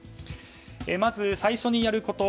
まず最初にやること。